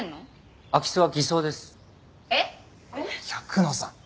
百野さん！